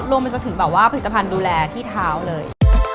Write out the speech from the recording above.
รวมไปจนถึงผลิตภัณฑ์ดูแลที่เท้าเลย